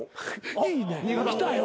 いいねきたよ。